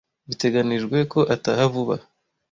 Biteganijwe ko ataha vuba.